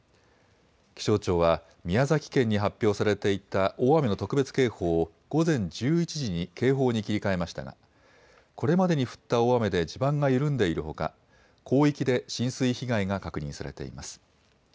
気象庁は、宮崎県に発表されていた大雨の特別警報を午前１１時に警報に切り替えましたが、これまでに降った大雨で地盤が緩んでいるほか、広域で浸水被害が確認されています。